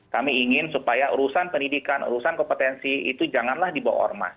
kami ingin supaya urusan pendidikan urusan kompetensi itu janganlah dibawa ormas